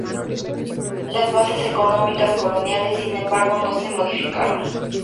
Las bases económicas coloniales, sin embargo, no se modificaron.